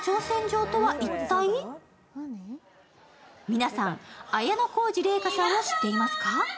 皆さん、綾小路麗華さんを知っていますか？